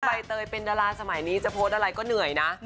ใบเตยเป็นดาราสมัยนี้จะโพสต์อะไรก็เหนื่อยนะ